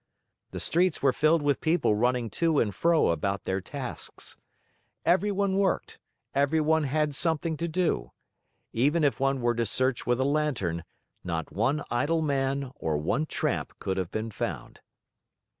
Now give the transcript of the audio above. The streets were filled with people running to and fro about their tasks. Everyone worked, everyone had something to do. Even if one were to search with a lantern, not one idle man or one tramp could have been found.